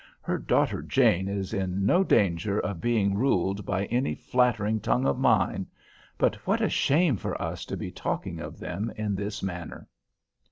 "Her daughter Jane is in no danger of being ruled by any 'flattering tongue' of mine. But what a shame for us to be talking of them in this manner."